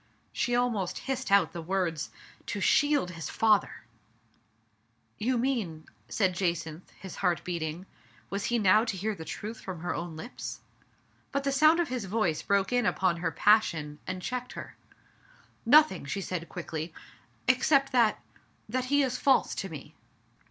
she almost hissed out the words — ''to shield his father !"You mean *' said Jacynth, his heart beat ing ; was he now to hear the truth from her own lips? But the sound of his voice broke in upon her passion, and checked her. "Nothing,'* said she quickly, "except that — that he is false to me.